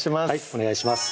お願いします